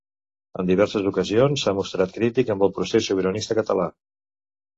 En diverses ocasions s'ha mostrat crític amb el procés sobiranista català.